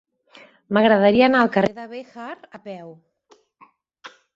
M'agradaria anar al carrer de Béjar a peu.